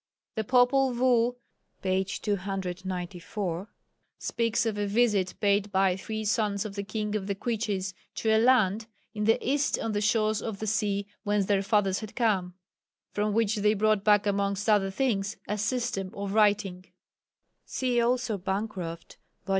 The Popul Vuh (p. 294) speaks of a visit paid by three sons of the King of the Quiches to a land "in the east on the shores of the sea whence their fathers had come," from which they brought back amongst other things "a system of writing" (see also Bancroft, vol.